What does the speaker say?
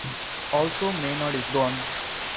Also Maynard is gone.